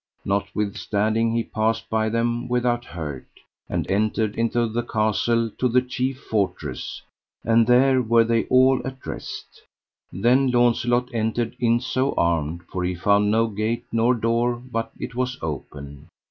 Notwithstanding he passed by them without hurt, and entered into the castle to the chief fortress, and there were they all at rest. Then Launcelot entered in so armed, for he found no gate nor door but it was open.